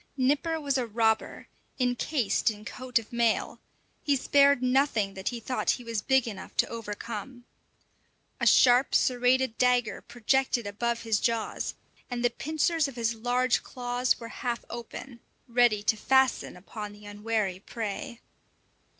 Nipper was a robber, encased in coat of mail; he spared nothing that he thought he was big enough to overcome. A sharp, serrated dagger projected above his jaws, and the pincers of his large claws were half open, ready to fasten upon the unwary prey.